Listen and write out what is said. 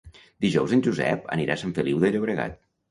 Dijous en Josep anirà a Sant Feliu de Llobregat.